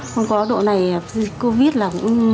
không có độ này covid là nhà cũng chẳng có cái gì cả